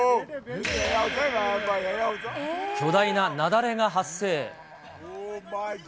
巨大な雪崩が発生。